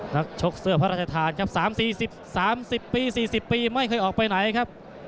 ชกเสื้อพระราชทานครับ๓๔๐๓๐ปี๔๐ปีไม่เคยออกไปไหนครับ